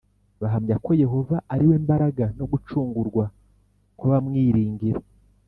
bahamya ko yehova ari we mbaraga no gucungurwa kw’abamwiringira.